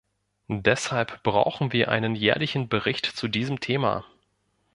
Deshalb brauchen wir einen jährlichen Bericht zu diesem Thema.